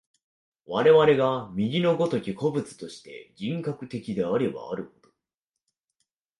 我々が右の如き個物として、人格的であればあるほど、